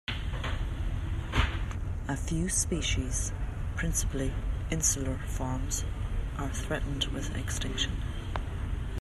A few species, principally insular forms, are threatened with extinction.